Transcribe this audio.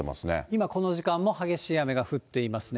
今この時間も激しい雨が降っていますね。